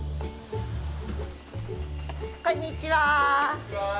こんにちは。